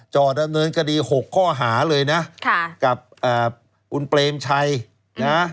จอดดำเนินคดี๖ข้อหาเลยนะกับคุณเปรมชัยนะ